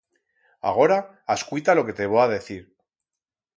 Agora ascuita lo que te vo a decir.